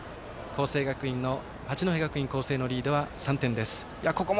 八戸学院光星のリードは３点です。